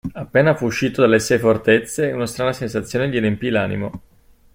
Appena fu uscito dalle Sei Fortezze, una strana sensazione gli riempì l'animo.